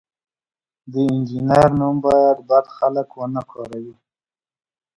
د انجینر نوم باید بد خلک ونه کاروي.